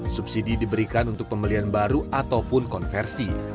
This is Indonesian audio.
subsidi diberikan untuk pembelian baru ataupun konversi